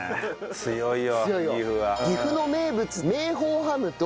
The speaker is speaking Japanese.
強いよ。